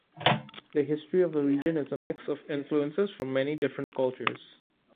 The history of the region is a mix of influences from many different cultures.